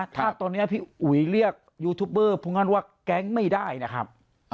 ถ้าตอนนี้พี่อุ๋ยเรียกยูทูปเบอร์พูดงั้นว่าแก๊งไม่ได้นะครับ